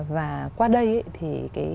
và qua đây thì